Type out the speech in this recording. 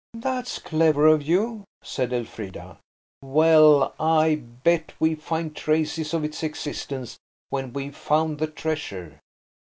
"That's clever of you," said Elfrida. "Well, I bet we find traces of its existence, when we've found the treasure.